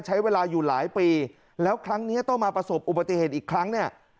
ใช้เวลาอยู่หลายปีแล้วครั้งนี้ต้องมาประสบอุบัติเหตุอีกครั้งเนี่ย